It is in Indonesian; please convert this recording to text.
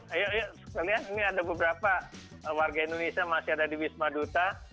ayo sekalian ini ada beberapa warga indonesia masih ada di bismaduta